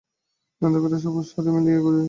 এই অন্ধকারে সবুজ শাড়ি পরে মিয়া ঘুরছেন।